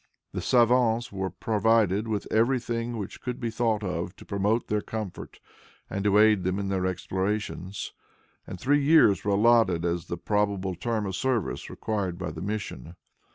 The savans were provided with every thing which could be thought of to promote their comfort and to aid them in their explorations, and three years were alloted as the probable term of service required by the mission.